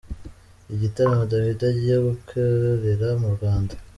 Igitaramo Davido agiye gukorera mu Rwanda.